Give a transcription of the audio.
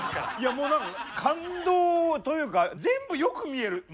もう何か感動というか全部よく見えますよね。